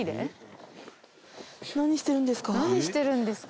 何してるんですか？